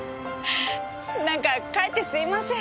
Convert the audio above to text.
なんかかえってすいません。